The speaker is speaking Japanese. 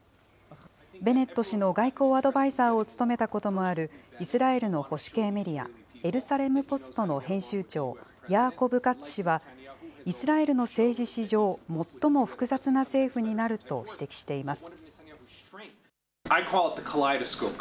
ベネット氏の外交アドバイザーを務めたこともあるイスラエルの保守系メディア、エルサレム・ポストの編集長、ヤーコブ・カッツ氏は、イスラエルの政治史上、最も複雑な政府になると指摘しています。